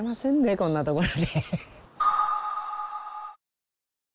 こんなところに。